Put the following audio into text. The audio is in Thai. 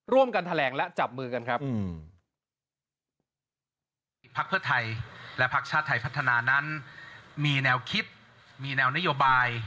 ร่วมกันแถลงและจับมือกันครับ